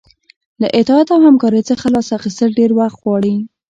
له اطاعت او همکارۍ څخه لاس اخیستل ډیر وخت غواړي.